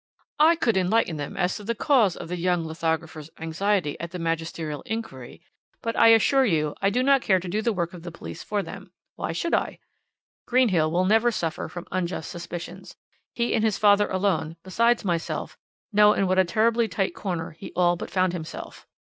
"I could enlighten them as to the cause of the young lithographer's anxiety at the magisterial inquiry, but, I assure you, I do not care to do the work of the police for them. Why should I? Greenhill will never suffer from unjust suspicions. He and his father alone besides myself know in what a terribly tight corner he all but found himself.